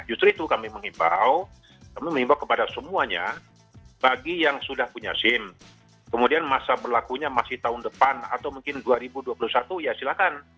justru itu kami mengimbau kami mengimbau kepada semuanya bagi yang sudah punya sim kemudian masa berlakunya masih tahun depan atau mungkin dua ribu dua puluh satu ya silahkan